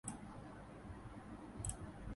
ใครจักใคร่ค้าม้าค้า